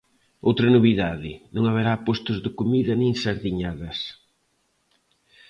Outra novidade, non haberá postos de comida nin sardiñadas.